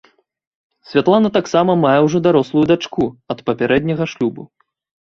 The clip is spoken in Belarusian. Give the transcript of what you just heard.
Святлана таксама мае ўжо дарослую дачку ад папярэдняга шлюбу.